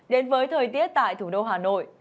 đến với thời tiết tại thủ đô hà nội